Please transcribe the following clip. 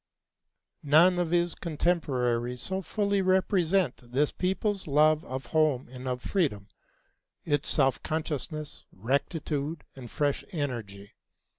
None of his contemporaries so fully represent this people's love of home and of freedom, its self consciousness, rectitude, and fresh energy.